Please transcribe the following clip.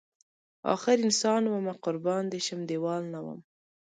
اخر انسان ومه قربان دی شم دیوال نه وم